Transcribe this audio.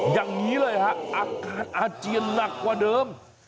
อย่างนี้เลยฮะอาการอาเจียนหนักกว่าเดิม